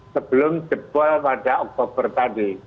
sebelum jebol pada oktober tadi